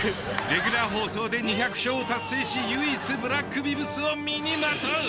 レギュラー放送で２００勝を達成し唯一ブラックビブスを身にまとう。